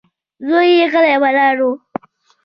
زوی يې غلی ولاړ و.